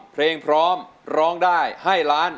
เพลงพร้อมร้องได้ให้ล้าน